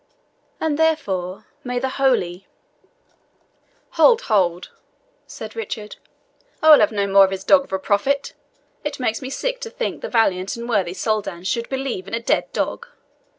And, therefore, may the holy " "Hold, hold," said Richard, "I will have no more of his dog of a prophet! It makes me sick to think the valiant and worthy Soldan should believe in a dead dog.